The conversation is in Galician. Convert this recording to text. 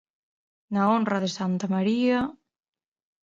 Na honra de Santa María...